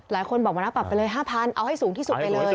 หลายคนบอกมานะปรับไปเลย๕๐๐เอาให้สูงที่สุดไปเลย